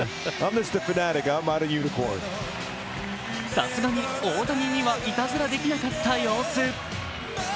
さすがに大谷にはいたずらできなかった様子。